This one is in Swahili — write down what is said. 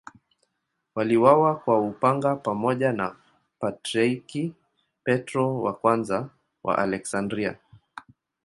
Waliuawa kwa upanga pamoja na Patriarki Petro I wa Aleksandria.